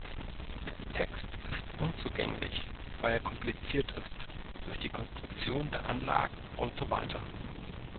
Der Text ist unzugänglich, weil er kompliziert ist, durch die Konstruktion der Anlagen und so weiter.